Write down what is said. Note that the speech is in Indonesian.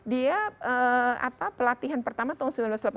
dia pelatihan pertama tahun seribu sembilan ratus delapan puluh